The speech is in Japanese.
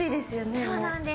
そうなんです。